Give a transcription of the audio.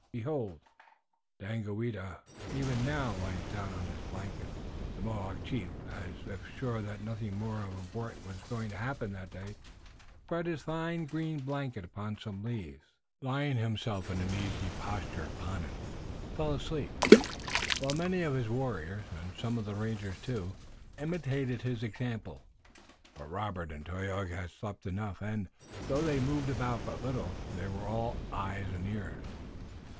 Behold, Daganoweda even now lies down upon his blanket!" The Mohawk chief, as if sure that nothing more of importance was going to happen that day, spread his fine green blanket upon some leaves, and then settling himself in an easy posture upon it, fell asleep, while many of his warriors, and some of the rangers too, imitated his example. But Robert and Tayoga had slept enough, and, though they moved about but little, they were all eyes and ears.